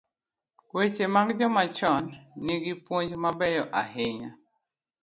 Weche mag joma chon gi nigi puonj mabeyo ahinya.